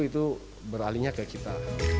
itu beralihnya ke kita